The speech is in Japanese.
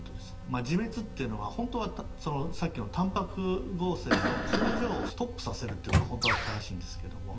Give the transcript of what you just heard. まあ自滅っていうのはほんとはさっきのタンパク合成の工場をストップさせるっていうのがほんとは正しいんですけども。